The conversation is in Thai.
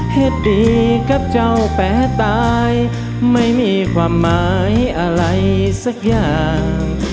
เหตุดีกับเจ้าแป้ตายไม่มีความหมายอะไรสักอย่าง